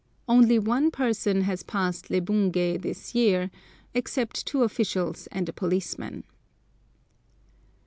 Only one person has passed Lebungé this year, except two officials and a policeman.